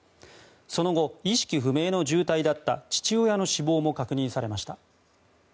その後、意識不明の重体だった父親の死亡も確認されました。